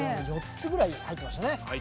つぐらい入ってましたね。